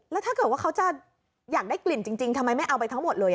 แล้วถ้าเกิดว่าเขาจะอยากได้กลิ่นจริงทำไมไม่เอาไปทั้งหมดเลย